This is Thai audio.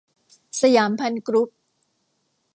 สยามภัณฑ์กรุ๊ป